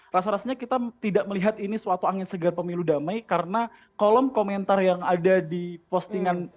rasa rasanya kita tidak melihat ini suatu angin segar pemilu damai karena kolom komentar yang ada di postingan